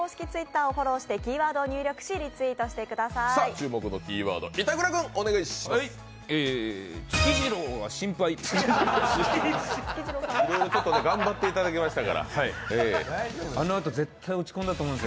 注目のキーワード、板倉君、お願いします。